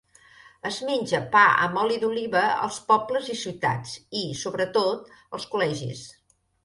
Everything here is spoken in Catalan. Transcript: Es menja pa amb oli d'oliva als pobles i ciutats i, sobretot, als col·legis.